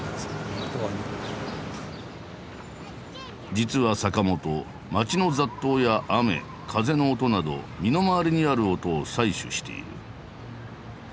実は坂本街の雑踏や雨風の音など身の回りにある音を採取している。